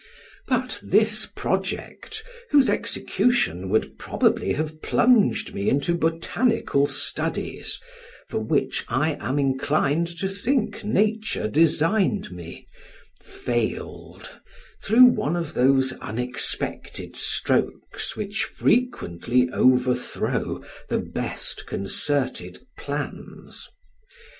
But this project, whose execution would probably have plunged me into botanical studies, for which I am inclined to think Nature designed me, failed through one of those unexpected strokes which frequently overthrow the best concerted plans.